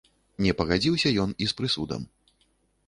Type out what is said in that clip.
Не пагадзіўся ён і з прысудам.